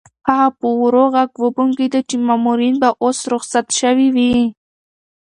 هغه په ورو غږ وبونګېده چې مامورین به اوس رخصت شوي وي.